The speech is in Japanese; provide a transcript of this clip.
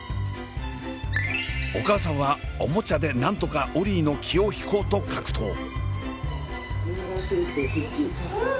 お母さんはおもちゃでなんとかオリィの気を引こうと格闘。